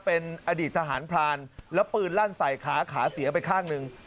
เป็นอดีตทหารพรานแล้วปืนลั่นใส่ขาขาเสียไปข้างหนึ่ง